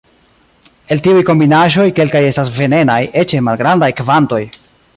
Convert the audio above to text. El tiuj kombinaĵoj, kelkaj estas venenaj, eĉ en malgrandaj kvantoj.